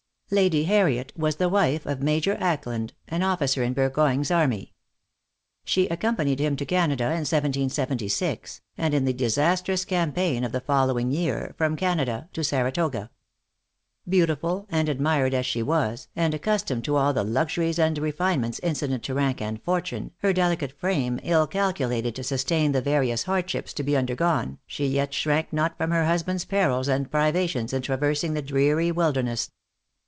Lady Harriet was the wife of Major Ackland, an officer in Burgoyne's army. She accompanied him to Canada in 1776, and in the disastrous campaign of the following year, from Canada to Saratoga. Beautiful and admired as she was, and accustomed to all the luxuries and refinements incident to rank and fortune, her delicate frame ill calculated to sustain the various hardships to be undergone, she yet shrank not from her husband's perils and privations in traversing the dreary wilderness.